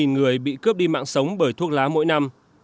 một mươi người bị cướp đi mạng sống bởi thuốc lá mỗi năm